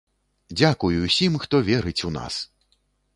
Дзякуй усім хто верыць у нас!